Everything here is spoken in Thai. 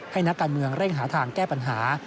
นักการเมืองเร่งหาทางแก้ปัญหา